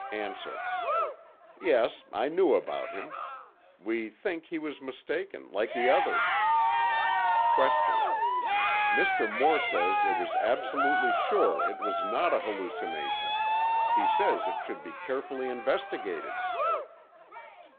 A. Yes, I knew about him. We think he was mistaken, like the others. Q. Mr. Moore says it was absolutely sure it was not hallucination. He says it should be carefully investigated.